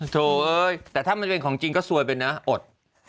โถเอ้ยแต่ถ้ามันเป็นของจริงก็ซวยไปนะอด